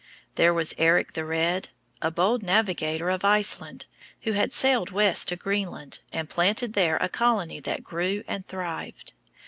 There was Eric the Red, a bold navigator of Iceland, who had sailed west to Greenland, and planted there a colony that grew and thrived.